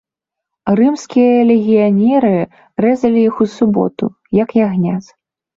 Рымскія легіянеры рэзалі іх у суботу, як ягнят.